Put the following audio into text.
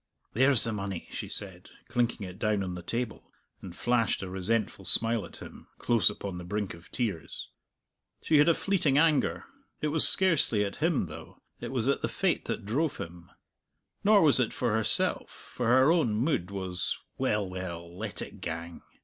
"There's the money!" she said, clinking it down on the table, and flashed a resentful smile at him, close upon the brink of tears. She had a fleeting anger. It was scarcely at him, though; it was at the fate that drove him. Nor was it for herself, for her own mood was, "Well, well; let it gang."